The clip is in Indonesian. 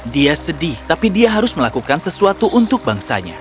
dia sedih tapi dia harus melakukan sesuatu untuk bangsanya